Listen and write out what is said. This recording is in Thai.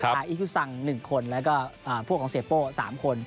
อิคูซัง๑คนแล้วก็พวกของเสียโป้๓คน